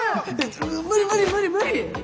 無理無理無理無理！